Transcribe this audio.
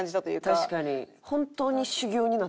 確かに。